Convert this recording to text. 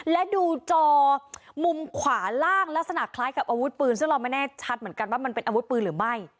และดูจอมุมขวาล่างลักษณะคล้ายกับอาวุธปืนซึ่งเราไม่แน่ชัดเหมือนกันว่ามันเป็นอาวุธปืนหรือไม่